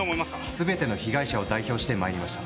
全ての被害者を代表して参りました。